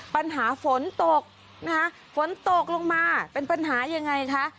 ปัญหาฝนตกนะคะฝนตกลงมาเป็นปัญหายังไงคะ